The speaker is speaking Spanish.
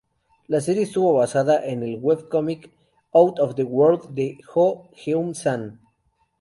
La serie estuvo basada en el webcómic "Out of the World" de Jo Geum-san.